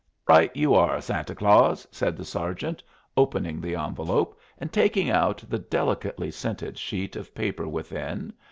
"Right you are, Santa Claus," said the sergeant, opening the envelope and taking out the delicately scented sheet of paper within.